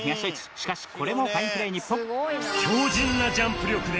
しかしこれもファインプレー日本。